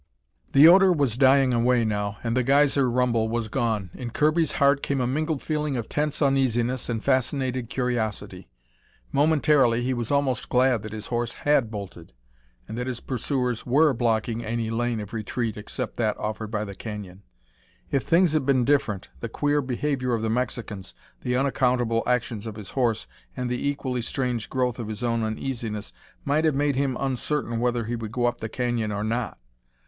The odor was dying away now, and the geyser rumble was gone. In Kirby's heart came a mingled feeling of tense uneasiness and fascinated curiosity. Momentarily he was almost glad that his horse had bolted, and that his pursuers were blocking any lane of retreat except that offered by the canyon. If things had been different, the queer behavior of the Mexicans, the unaccountable actions of his horse and the equally strange growth of his own uneasiness might have made him uncertain whether he would go up the canyon or not.